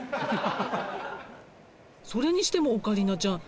それにしてもオカリナちゃん。